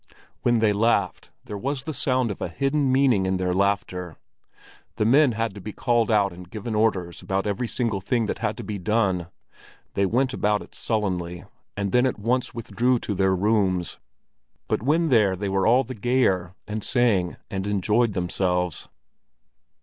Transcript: When they laughed, there was the sound of a hidden meaning in their laughter. The men had to be called out and given orders about every single thing that had to be done; they went about it sullenly, and then at once withdrew to their rooms. But when there they were all the gayer, and sang and enjoyed themselves.